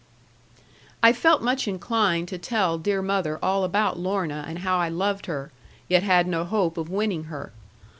I felt much inclined to tell dear mother all about Lorna, and how I loved her, yet had no hope of winning her.